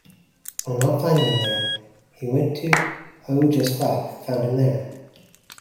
On not finding him there, he went to Ahuja's flat and found him there.